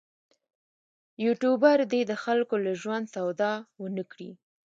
یوټوبر دې د خلکو له ژوند سودا ونه کړي.